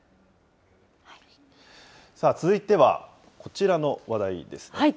続いてはこちらの話題ですね。